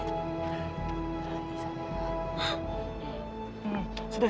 sudah sudah sudah